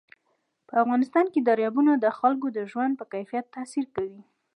په افغانستان کې دریابونه د خلکو د ژوند په کیفیت تاثیر کوي.